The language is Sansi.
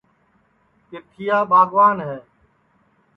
پِرتھِیا ٻاگوان ہے